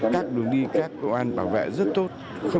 các đường đi các công an bảo vệ rất tốt